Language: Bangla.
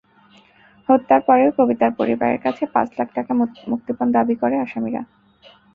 হত্যার পরেও কবিতার পরিবারের কাছে পাঁচ লাখ টাকা মুক্তিপণ দাবি করে আসামিরা।